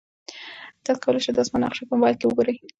تاسي کولای شئ د اسمان نقشه په موبایل کې وګورئ.